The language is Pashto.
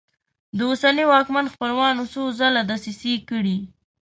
د اوسني واکمن خپلوانو څو ځله دسیسې کړي.